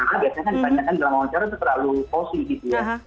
biasanya dipanyakan dalam wawancara itu terlalu posi gitu ya